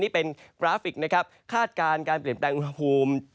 นี่เป็นกราฟิกนะครับคาดการณ์การเปลี่ยนแปลงอุณหภูมิ